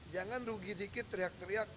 jangan rugi dikit teriak teriak